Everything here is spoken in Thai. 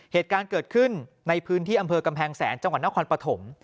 เหตุการณ์เกิดขึ้นในพื้นที่อำเภอกำแพงแสนจังหวัดนครปฐม